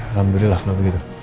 alhamdulillah kalau begitu